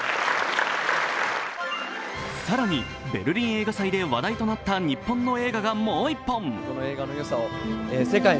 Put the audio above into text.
更に、ベルリン映画祭で話題となった日本の映画がもう一本。